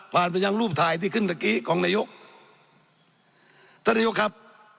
ไปยังรูปถ่ายที่ขึ้นเมื่อกี้ของนายกท่านนายกครับ